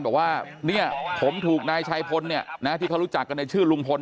บอกว่าเนี่ยผมถูกนายชัยพลที่เขารู้จักกันในชื่อลุงพล